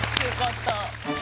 よかった。